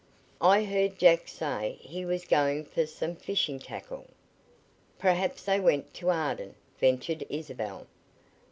"I heard Jack say he was going for some fishing tackle." "Perhaps they went to Arden," ventured Isabel.